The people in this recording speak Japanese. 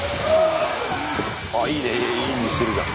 あいいねいい演技してるじゃん。